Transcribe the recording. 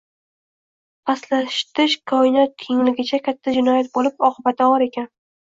pastlatish koinot kengligicha katta jinoyat bo‘lib, oqibati og‘ir ekan!